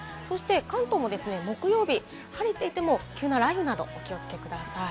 関東も木曜日、晴れていても急な雷雨などに気をお気をつけください。